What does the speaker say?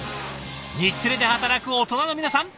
日テレで働くオトナの皆さん